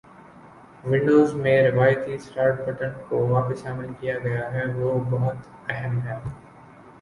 Windows میں روایتی start button کو واپس شامل کیا گیا ہے وہ بہت أہم ہیں